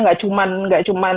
gak cuman gak cuman